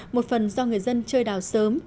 một phần do người dân chơi đào sớm